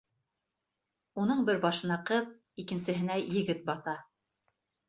Уның бер башына ҡыҙ, икенсеһенә егет баҫа.